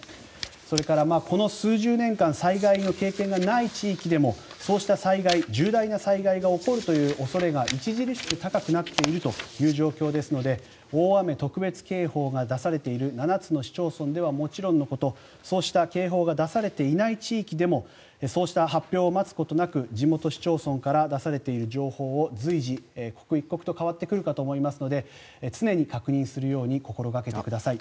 それから、この数十年間災害の危険がない地域でもそうした災害重大な災害が起こるという恐れが著しく高くなっているという状況ですので大雨特別警報が出されている７つの市町村ではもちろんのことそうした警報が出されていない地域でもそうした発表を待つことなく地元市町村から出されている情報を随時、刻一刻と変わってくるかと思いますので常に確認するように心掛けてください。